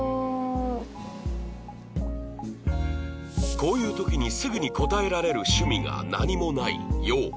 こういう時にすぐに答えられる趣味が何もない洋子